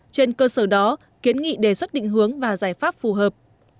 trên cơ sở đó kiến nghị đề xuất định hướng và giải pháp phù hợp